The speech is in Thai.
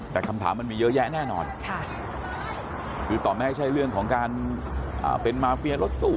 แต่คำถามมันมีเยอะแยะแน่นอนคือต่อไม่ให้ใช่เรื่องของการเป็นมาเฟียรถตู้